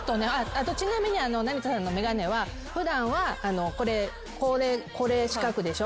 あとちなみに成田さんのメガネは普段はこれこれこれ四角でしょ。